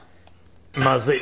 まずい。